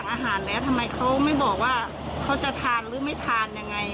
อาหารแล้วทำไมเขาไม่บอกว่าเขาจะทานหรือไม่ทานยังไง